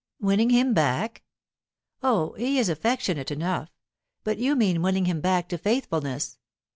"Winning him back? Oh, he is affectionate enough. But you mean winning him back to faithfulness.